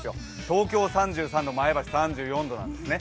東京３３度、前橋３４度なんですね。